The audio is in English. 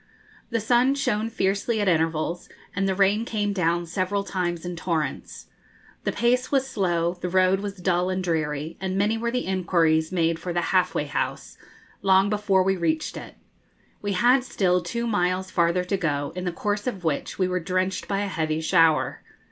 The sun shone fiercely at intervals, and the rain came down several times in torrents. The pace was slow, the road was dull and dreary, and many were the inquiries made for the 'Half way House,' long before we reached it. We had still two miles farther to go, in the course of which we were drenched by a heavy shower.